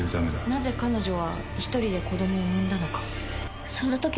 なぜ彼女は１人で子供を産んだのか。